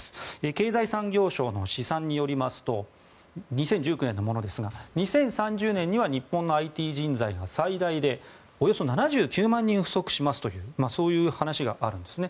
経済産業省の試算によりますと２０１９年のものですが２０３０年には日本のＩＴ人材が、最大でおよそ７９万人不足しますという話があるんですね。